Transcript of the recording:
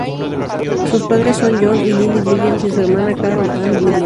Sus padres son John y Lillie Williams, y su hermana, Carol Ann Williams.